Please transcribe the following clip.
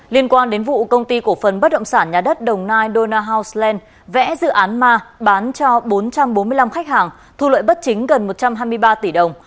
liên quan đến vụ công ty cổ phần bất động sản nhà đất đồng nai dona houseland vẽ dự án ma bán cho bốn trăm bốn mươi năm khách hàng thu lợi bất chính gần một trăm hai mươi ba tỷ đồng